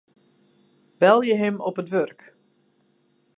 Belje him op it wurk.